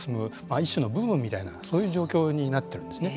一種のブームみたいなそういう状況になっているんですね。